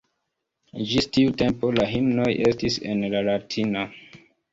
Ĝis tiu tempo la himnoj estis en la latina.